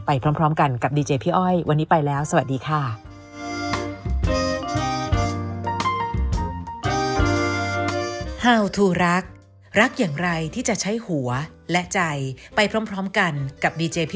พร้อมกันกับดีเจพี่อ้อยวันนี้ไปแล้วสวัสดีค่ะ